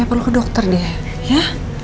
kamu ke dokter ya